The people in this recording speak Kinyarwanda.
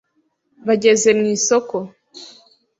Bageze mu isoko